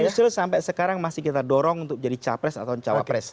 yusril sampai sekarang masih kita dorong untuk jadi capres atau cawapres